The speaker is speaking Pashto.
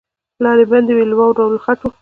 لاري بندي وې له واورو او له خټو